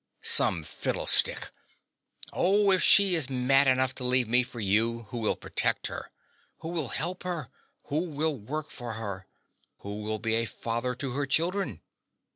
Some fiddlestick. Oh, if she is mad enough to leave me for you, who will protect her? Who will help her? who will work for her? who will be a father to her children?